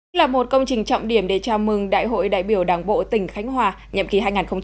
đây là một công trình trọng điểm để chào mừng đại hội đại biểu đảng bộ tỉnh khánh hòa nhiệm kỳ hai nghìn hai mươi hai nghìn hai mươi năm